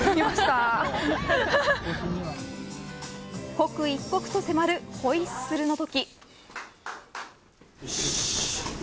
刻一刻と迫るホイッスルの時。